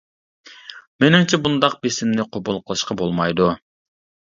مېنىڭچە، بۇنداق بېسىمنى قوبۇل قىلىشقا بولمايدۇ.